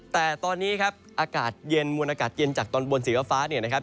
แต่ตอนนี้ครับอากาศเย็นมวลอากาศเย็นจากตอนบนสีฟ้าเนี่ยนะครับ